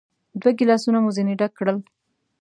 دوه ګیلاسونه مو ځینې ډک کړل.